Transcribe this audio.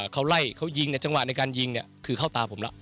เขาไล่เขายิงในจังหวะในการยิงคือเข้าตาผมแล้ว